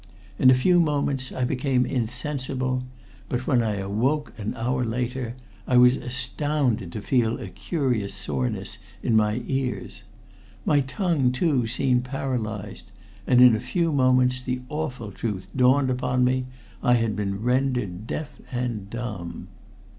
In a few moments I became insensible, but when I awoke an hour later I was astounded to feel a curious soreness in my ears. My tongue, too, seemed paralyzed, and in a few moments the awful truth dawned upon me. I had been rendered deaf and dumb!